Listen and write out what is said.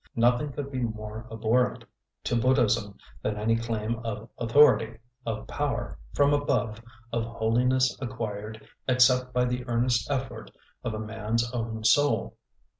Nothing could be more abhorrent to Buddhism than any claim of authority, of power, from above, of holiness acquired except by the earnest effort of a man's own soul.